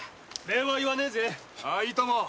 礼は言わねえぜ。